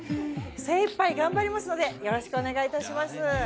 精いっぱい頑張りますのでよろしくお願いいたします。